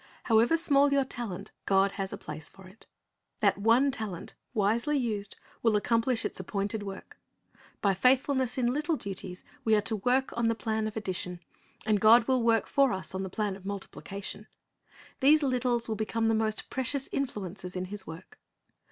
However small your talent, God has a place for it. That one talent, wisely used, will accomplish its appointed work. By faithfulness in little duties, we are to work on the plan of addition, and God will work for us on the plan of multiplication. These littles will become the most precious influences in His work.